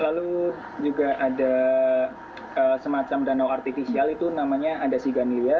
lalu juga ada semacam danau artifisial itu namanya adasiganilia